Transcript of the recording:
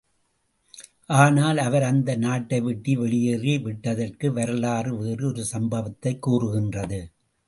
ஆனால், அவர் அந்த நாட்டை விட்டு வெளியேறி விட்டதற்கு வரலாறு வேறு ஒரு சம்பவத்தைக் கூறுகின்றது.